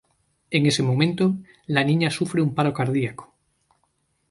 En ese momento, la niña sufre un paro cardiaco.